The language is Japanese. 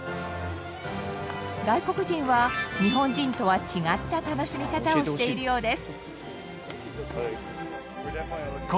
外国人は日本人とは違った楽しみ方をしているようです。